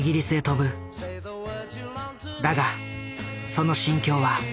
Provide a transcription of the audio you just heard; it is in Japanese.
だがその心境は。